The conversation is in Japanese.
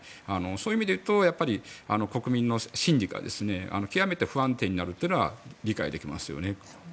そういう意味でいうと国民の心理が極めて不安定になるというのは理解できますよね。